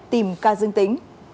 tìm ca dương tính